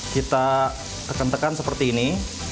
kita tekan tekan seperti ini